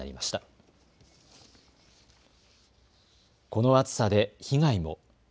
この暑さで被害も。